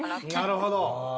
なるほど！